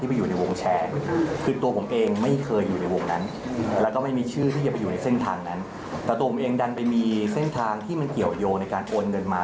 แต่ตัวผมเองดันไปมีเส้นทางที่มันเกี่ยวยงในการโอนเงินมา